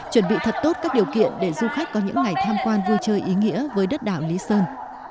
chuẩn bị thật tốt các điều kiện để du khách có những ngày tham quan vui chơi ý nghĩa với đất đảo lý sơn